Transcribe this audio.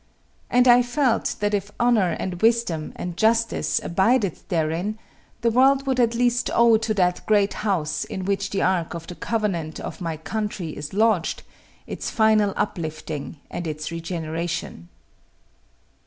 And I felt that if honor and wisdom and justice abided therein, the world would at last owe to that great house in which the ark of the covenant of my country is lodged, its final uplifting and its regeneration.